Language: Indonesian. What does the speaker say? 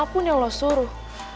apapun yang lo suruh